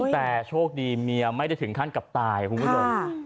แต่โชคดีเมียไม่ได้ถึงขั้นกับตายคุณผู้ชม